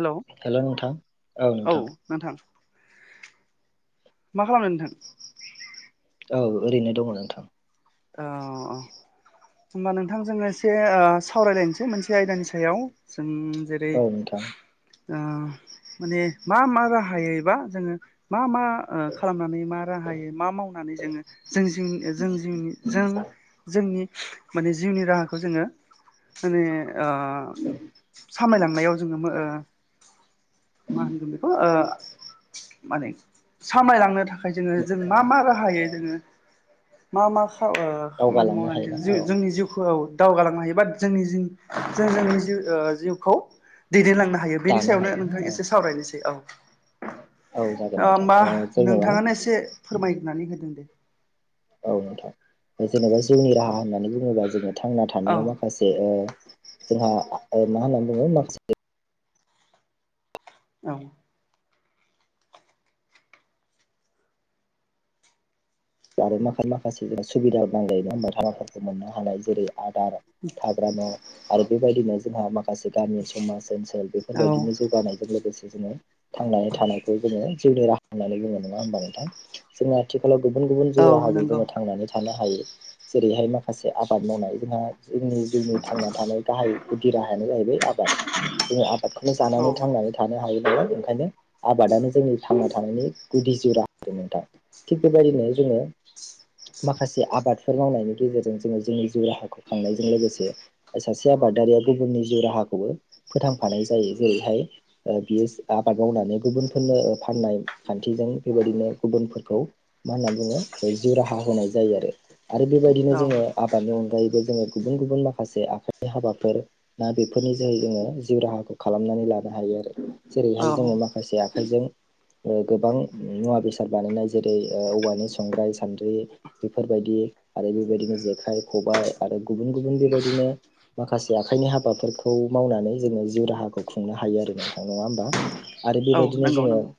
Hello'' hello नोंथां औ। नोंथां मा खालामदों नोंथां। औ ओरैनो दंङ नोंथां। औ। होमबा नोंथां जों एसे सावरायलायनोसै मोनसे आयदानि सायाव जों जे औ नोंथां ओ माने मा मा राहायैबा जोंङो मा मा ओ खालामनानै मा राहायै मा मावनानै जोंङो जों जोंनि जों जोंनि जों जोंनि माने जिउनि राहाखौ जोंङो माने ओ सामलायलांनायाव जोंङो ओ। मा होनगोन बेखौ ओ माने सामलायलांनो था खाय जोंङो जों मा मा राहायो जोंङो मा मा खा ओ खामानि दावगालांनो मावनानै जों हायोना जो औ जोंनि जिउखौ दावगालांनो हायो बा जों जोंनि जिउखौ दैदेनलांनो ह हायो बेनि दानो सायावनो हायोना नोंथां एसे सावरायनोसै औ औ जागोन नोंथां होमबा ओ जेनेबा नोंथांङानो एसे फोरमायनानै होदो दे औ नोंथां जेन'बा जउनि औ राहा होननानै बुंङोबा जोंङो थांना औ थानायाव मा खासे जोंहा मा होननानै बुंङो माखासे औ। [unintelligible] [unintelligible] [unintelligible] जेरै आधार [unintelligible] हाग्रामा आरो बेबायदिनो जोंहा मा- खासे गामि समाज ओनसोल औ बेफोरबायदिनो जौगानायजों लोगोसे जोंङो थांनानै थानायखौ जोंङो जिउनि राहा होननानै बुंङो नंङा होमबा नोंथां जोंङो आथिखालाव गुबुन गुबुन जिउ औ राहाजों नंगौ जोंङो थांनानै थानो हायो जेरैहाय माखासे आबाद मावनाय जोंहा जोंनि जिउनि थांना थानाय गाहाय गुदि राहायानो जाहैबाय आबाद। जोंङो आबादखौनो औ जानानै थांनानै थानो हायो नालाय ओंखायनो आबादानो जोंनि थांना थानायनि गुदि जिउ राहा नोंथां। थिग बेबायदिनो जोङो। माखासे आबादफोर मावनायनि गेजेरजों जोङो जोंनि जिउ राहाखौ खांनायजों लोगोसे सासे आबादारिया गुबुननि जिउ राहाखौबो फोथांफानाय जायो। जेरैहाय, ओ बियो आबाद मावनानै गुबुनफोरनो फाननाय। खान्थिजों बेबायदिनो गुबुनफोरखौ मा होनना बुङो जिउ राहा होनाय जायो आरो। आरो बेबायदिनो औ जोङो आबादनि अनगायैबो जोङो गुबुन-गुबुन माखासे आखाइनि हाबाफोर बा बेफोरनि जोहै जोङो जिउ राहाखौ खालामनानै लानो हायो आरो। जेरैहाय औ जोङो माखासे आखाइजों ओ गोबां मुवा बेसाद बानायनाय जेरै-औवानि संग्राइ, सान्द्रि, बेफोरबायदि आरो बेबायदिनो जेखाइ, खबाइ, आरो गुबुन-गुबुन बेबायदिनो माखासे आखाइनि हाबाफोरखौ मावनानै जोङो जिउ राहाखौ खुंनो हायो आरो ना नोंथां नङा होमबा? आरो औ बेबायदिनो नंगौ जोङो नंगौ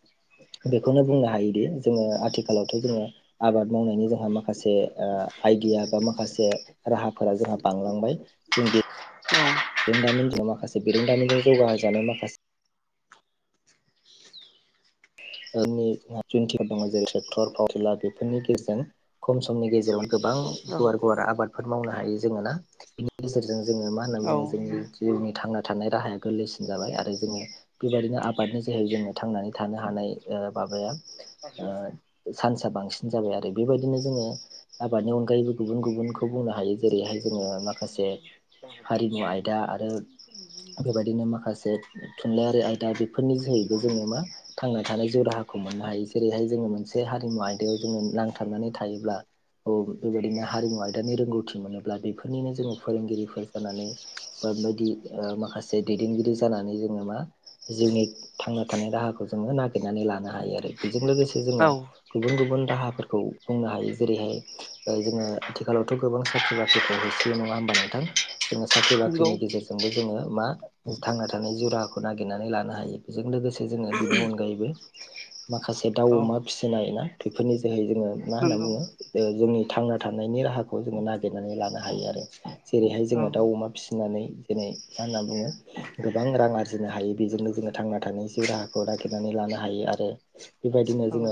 बेखौनो बुंनो हायोदि जोङो आथिखालावथ' जोङो आबाद मावनायनि जोंहा माखासे ओ आइडिया बा माखासे राहाफोरा जोंहा बांलांबाय‌ जों बे औ बिरोंदामिनजों माखासे बिरोंदामिनजों जौगाहोजानाय माखासे [unintelligible] दङ जेरै ट्रेक्टर, पावारटेलार, बेफोरनि गेजेरजों खम समनि गेजेराव गोबां गुवार-गुवार आबादफोर मावनो हायो जोङो ना। बिनि गेजेरजों जोङो मा होनना औ बुङो जोंनि जिउनि थांना थानाय राहाया गोरलैसिन जाबाय आरो जोङो बेबायदिनो आबादनि जोहै जोङो थांनानै थानो हानाय माबाया ओ चान्सआ बांसिन जाबाय आरो बेबायदिनो जोङो। आबादनि अनगायैबो गुबुन-गुबुनखौ बुंनो हायो जेरैहाय जोङो माखासे हारिमु आयदा आरो बेबायदिनो माखासे थुनलाइयारि आयदा बेफोरनि जोहैबो जोङो मा थांनानै थानाय जिउ राहाखौ मोननो हायो। जेरैहाय जोङो मोनसे हारिमु आयदायाव जोङो नांथाबनानै थायोब्ला औ बेबायदिनो हारिमु आयदानि रोंगौथि मोनोब्ला बेफोरनिनो जोङो फोरोंगिरिफोर जानानै- बा बेबायदि ओ माखासे दैदेनगिरि जानानै जोङो मा जिउनि थांना थानाय राहाखौ जोङो नागिरनानै लानो हायो आरो। बेजों लोगोसे जोङो गुबुन-गुबुन राहाफोरखौ बुंनो हायो जेरैहाय जोङो आथिखालावथ' गोबां साख्रि बाख्रिखौ होसोयो नङा होमबा नोंथां? जोङो साख्रि नंगौ बाख्रिनि गेजेरजों जोङो मा थांना थानाय जिउ राहाखौ नागिरनानै लानो हायो। बेजों लोगोसे जोङो बेनि अनगायैबो माखासे दाउ, अमा फिसिनाय ना बेफोरनि जोहै जोङो औ मा होनना नंगौ बुङो जोंनि थांना थानायनि राहाखौ जोङो नागिरनानै लानो हायो आरो। जेरैहाय औ जोङो दाउ, अमा फिसिनानै दिनै मा होनना बुङो गोबां रां आरजिनो हायो। बेजोंनो जोङो थांना थानायनि जिउ राहाखौ नागेरनानै लानो हायो। आरो बेबायदिनो औ जोङो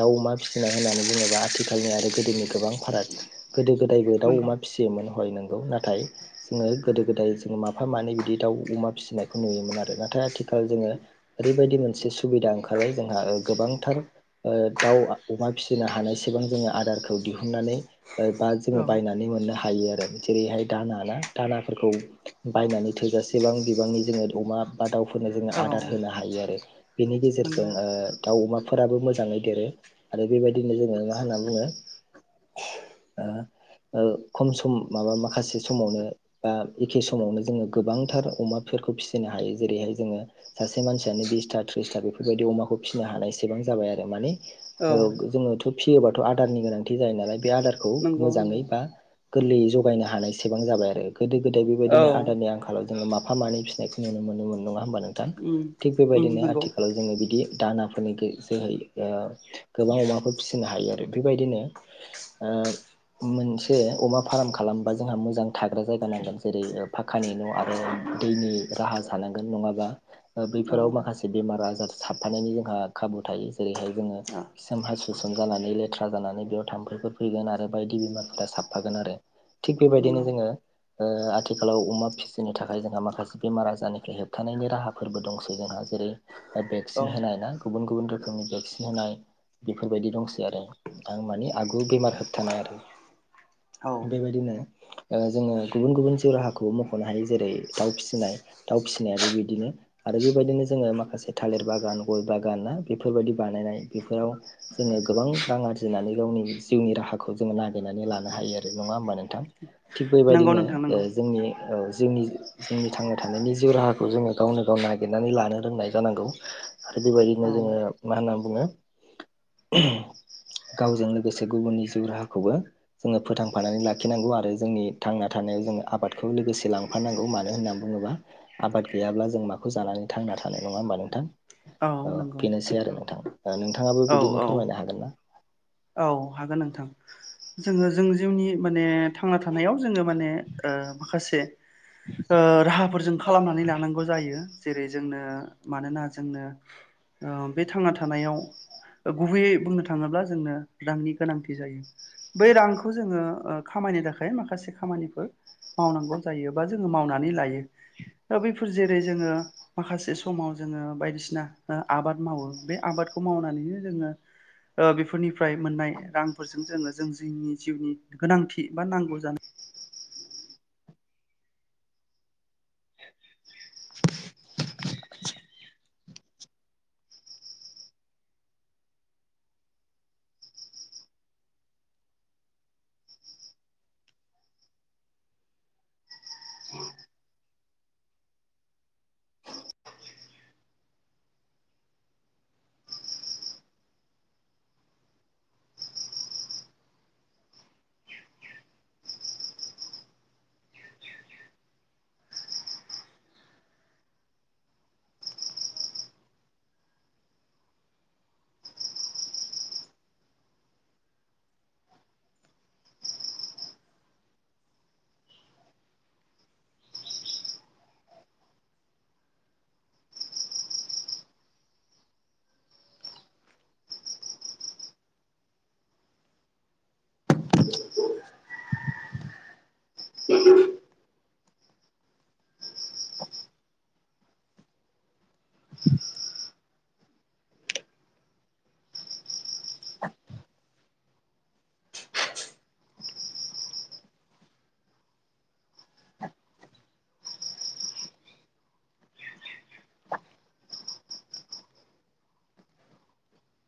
दाव, अमा फिसिनाय होननानै बुङोब्ला आथिखालनि आरो गोदोनि गोबां फाराग गोदो गोदायबो दाव, नंगौ अमा फिसियोमोन, हय नंगौ नाथाय जोङो गोदो-गोदाय जोङो माफा मानै बिदि दाव, अमा फिसिनायखौ नुयोमोन आरो नाथाय आथिखाल जोङो ओरैबायदि मोनसे सुबिदा ओंखारबाय जोंहा गोबांथार दाव, अमा फिसिनो हानायसिबां जोङो आदारखौ दिहुननानै बा औ जोङो बायनानै मोननो हायो आरो जेरैहाय दाना ना? दानाफोरखौ बायनानै थोजासेबां बिबांनि जोङो अमा बा दाउफोरनो जोङो आदार होनो हायो आरो बेनि नंगौ गेजेरजों दाव, अमाफोराबो मोजाङै देरो आरो बेबायदिनो जोङो मा होनना बुङो खम सम माबा माखासे समावनो बा एखे समावनो जोङो गोबांथार अमाफोरखौ फिसिनो हायो। जेरैहाय जोङो सासे मानसियानो बिसथा थ्रिसथा बेफोरबायदि अमाखौ फिनो हानायसेबां जाबाय आरो। माने औ जोङोथ' फियोबाथ' आदारनि गोनांथि जायो नालाय बे आदारखौ नंगौ मोजाङै नंगौ बा गोरलैयै जगायनो हानाय एसेबां जाबाय आरो गोदो गोदाय बेबायदिनो औ आदारनि आंखालाव जोङो माफा मानै फिसिनायखौ नुनो मोनोमोन नङा होमबा नोंथां उम थिग उम बेबायदिनो नंगौ आथिखाल जोङो बिदि दानाफोरनि जोहै ओ गोबां अमाफोर फिसिनो हायो आरो बेबायदिनो ओ मोनसे अमा फार्म खालामबा जोंहा मोजां थाग्रा जायगा नांगोन जेरै पाककानि न' आरो दैनि राहा थानांगोन नङाबा औ बैफोराव माखासे बेमार आजार साबफानायनि जोंहा खाबु थायो जेरैहाय जोङो खिसोम हासुसोम जानानै लेथ्रा जानानै बेयाव थाम्फैफोर फैगोन आरो बायदि बेमारफोरा साबफागोन आरो थिग बेबायदिनो नंगौ जोङो ओ आथिखालाव अमा फिसिनो थाखाय जोंहा माखासे बेमार आजारनिफ्राय होबथानायनि राहाफोरबो दंसै जोंहा जेरै औ भेक्सिन होनाय ना गुबुन गुबुन रोखोमनि भेक्सिन होनाय बेफोरबायदि दंसै आरो आं माने आगु बेमार होबथानाय आरो औ बेबायदिनो ओ जोङो गुबुन गुबुन जिउ राहाखौबो मख'नो हायो जेरै दाउ फिसिनाय दाउ फिसिनायाबो बिदिनो आरो बेबायदिनो जोङो माखा माखासे थालिर बागान गय बागान ना बेफोरबायदि बानायनाय बेफोराव जोङो गोबां रां आरजिनानै गावनि जिउनि राहाखौ जोङो नागिरनानै लानो हायो आरो नङा होमबा नोंथां थिक नंगौ बेबायदिनो नोंथां ओ नंगौ जोंनि औ जिउनि जोंनि थांना थानायनि जिउ राहाखौ जोङो गावनो गाव नागिरनानै लानो रोंनाय जांगौ आरो औ बेबायदिनो जोङो मा होनना बुङो गावजों लोगोसे गुबुननि जिउ राहाखौबो जोङो फोथांफानानै लाखिनांगौ आरो जोंनि थांना थानायाव जोङो आबादखौ लोगोसे लां लांफानांगौ मानो होननानै बुङोब्ला आबाद गैयाब्ला जों माखौ जानानै थांना थानो नङा होमबा नोंथां औ बिनोसै आरो नोंथां नोंथाङाबो औ बिदिनो फोरमायनो हागोन ना औ हागोन नोंथां जोङो जों जिउनि माने थांना थानायाव जोङो माने ओ माखासे ओ राहाफोर जों खालामनानै लानांगौ जायो जेरै जोंनो मानोना जोंनो ओ बे थांना थानायाव गुबैयै बुंनो थाङोब्ला जोंनो रांनि गोनांथि जायो बै रांखौ जोङो खामायनो थाखाय माखासे खामानिफोर मावनांगौ जायो बा जोङो मावनानै लायो दा बैफोर जेरै जोङो माखासे समाव जोङो बायदिसिना आबाद मावो बे आबादखौ मावनानैनो जोङो ओ बेफोरनिफ्राय मोननाय रांफोरजों जोङो जों जिउनि गोनांथि बा नांगौ जानाय